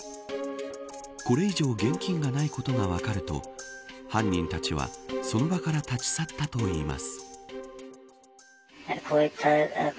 これ以上現金がないことが分かると犯人たちは、その場から立ち去ったといいます。